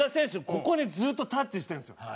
ここにずっとタッチしてるんですよ。